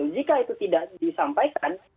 jika itu tidak disampaikan